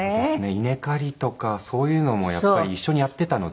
稲刈りとかそういうのもやっぱり一緒にやっていたので。